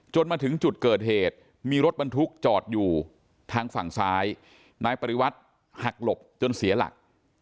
มาถึงจุดเกิดเหตุมีรถบรรทุกจอดอยู่ทางฝั่งซ้ายนายปริวัติหักหลบจนเสียหลัก